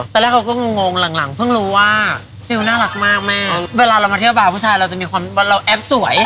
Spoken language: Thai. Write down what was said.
ถอดในวงเหล้าใช้แท้